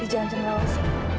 di jalan cenderawas